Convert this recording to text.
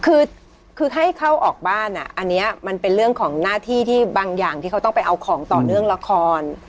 คือคือให้เข้าออกบ้านอ่ะอันนี้มันเป็นเรื่องของหน้าที่ที่บางอย่างที่เขาต้องไปเอาของต่อเนื่องละคร